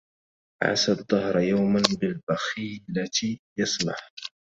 عسى الدهر يوما بالبخيلة يسمح